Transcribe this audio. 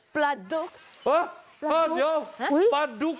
ปลาดก